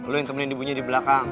lo yang temenin ibunya di belakang